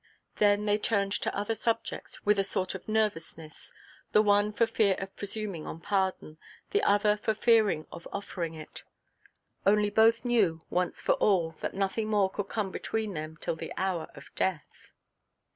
Then they turned to other subjects, with a sort of nervousness—the one for fear of presuming on pardon, the other for fear of offering it. Only both knew, once for all, that nothing more could come between them till the hour of death.